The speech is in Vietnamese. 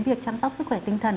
việc chăm sóc sức khỏe tinh thần